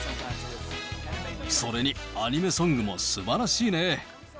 それに、アニメソングもすばらしいね。